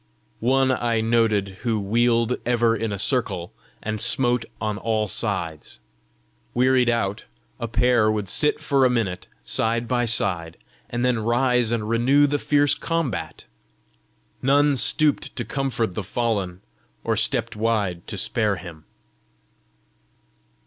One I noted who wheeled ever in a circle, and smote on all sides. Wearied out, a pair would sit for a minute side by side, then rise and renew the fierce combat. None stooped to comfort the fallen, or stepped wide to spare him.